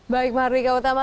baik mardika utama